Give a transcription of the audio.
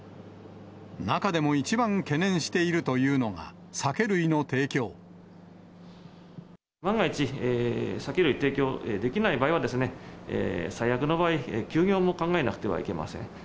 中でも一番懸念しているとい万が一、酒類提供できない場合はですね、最悪の場合、休業も考えなくてはいけません。